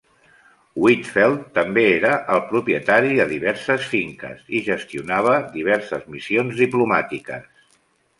Huitfeldt també era el propietari de diverses finques i gestionava diverses missions diplomàtiques.